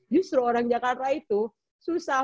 justru orang jakarta itu susah